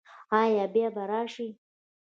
ایا بیا به راشئ؟